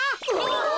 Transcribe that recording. お。